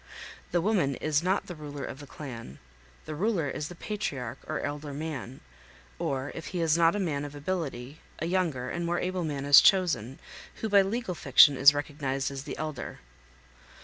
The woman is1 not the ruler of the clan; the ruler is the patriarch or elder man, or if he is not a man of ability a younger and more able man is chosen, who by legal fiction is recognized as the elder.